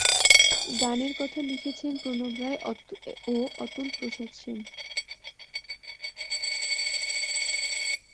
গানের কথা লিখেছেন প্রণব রায় ও অতুল প্রসাদ সেন।